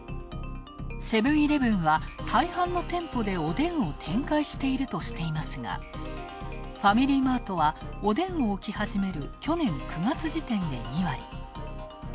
セブン−イレブンは大半の店舗でおでんを展開しているとしていますが、ファミリーマートはおでんを置きはじめる去年９月時点で２割。